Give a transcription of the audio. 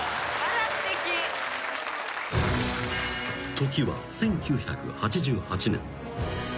［時は１９８８年］